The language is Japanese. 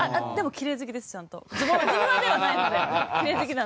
きれい好きなんで。